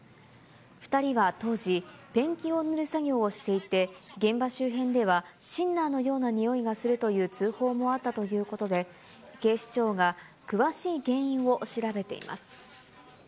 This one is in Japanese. ２人は当時、ペンキを塗る作業をしていて、現場周辺ではシンナーのような臭いがするという通報もあったということで、警視庁が詳しい原因を調べています。